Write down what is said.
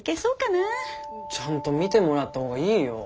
ちゃんと診てもらった方がいいよ。